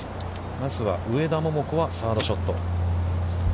まずは上田桃子はサードショット。